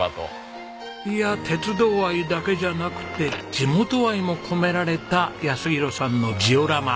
いや鉄道愛だけじゃなくて地元愛も込められた泰弘さんのジオラマ。